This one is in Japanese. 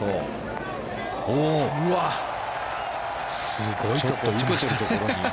すごいところに。